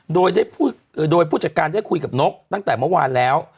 โดยผู้จัดการได้คุยกับนกตั้งแต่เมื่อวานแล้ว